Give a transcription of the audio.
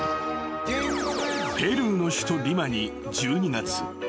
［ペルーの首都リマに１２月］